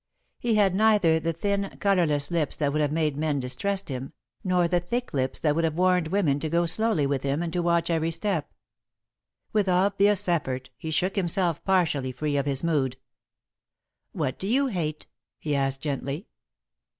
He had neither the thin, colourless lips that would have made men distrust him, nor the thick lips that would have warned women to go slowly with him and to watch every step. With obvious effort, he shook himself partially free of his mood. "What do you hate?" he asked, gently.